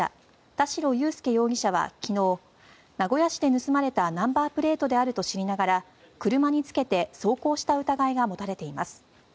田代裕介容疑者は昨日名古屋市で盗まれたナンバープレートであると知りながら車につけて走行した疑いが持たれています。